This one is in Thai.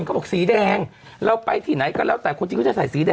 เขาบอกสีแดงเราไปที่ไหนก็แล้วแต่คนจีนก็จะใส่สีแดง